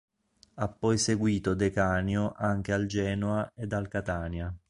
Ha poi seguito De Canio anche al Genoa ed al Catania.